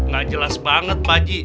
gak jelas banget pak ji